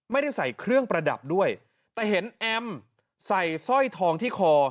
ไม่ได้ใส่เครื่องประดับด้วยแต่เห็นแอมใส่สร้อยทองที่คอ